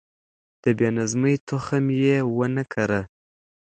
د بې نظمۍ تخم يې ونه کره.